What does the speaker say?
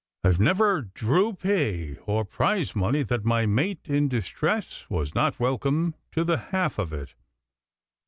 I never drew pay or prize money that my mate in distress was not welcome to the half of it.